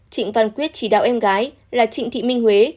trịnh văn quyết chỉ đạo em gái là trịnh thị minh huế